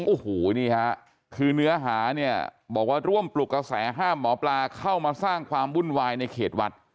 โอ้โหนี่ฮะคือเนื้อหาเนี่ยบอกว่าร่วมปลุกกระแสห้ามหมอปลาเข้ามาสร้างความวุ่นวายในเขตวัด